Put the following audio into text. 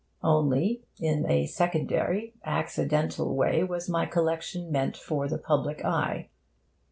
Only in a secondary, accidental way was my collection meant for the public eye.